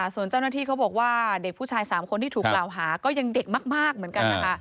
ส่วนเจ้าหน้าที่เขาบอกว่าเด็กผู้ชาย๓คนที่ถูกกล่าวหาก็ยังเด็กมากเหมือนกันนะคะ